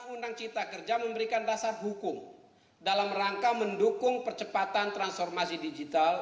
undang undang cipta kerja memberikan dasar hukum dalam rangka mendukung percepatan transformasi digital